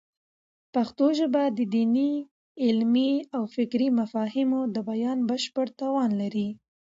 پښتو ژبه د دیني، علمي او فکري مفاهیمو د بیان بشپړ توان لري.